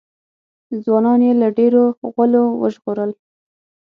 ځوانان یې له ډېرو غولو وژغورل.